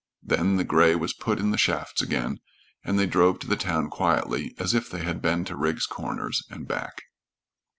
Then the gray was put in the shafts again, and they drove to the town quietly, as if they had been to Rigg's Corners and back.